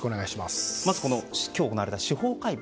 まず、今日行われた司法解剖。